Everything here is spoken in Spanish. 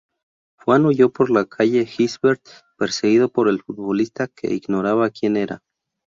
Juan huyó por la calle Gisbert perseguido por el futbolista, que ignoraba quien era.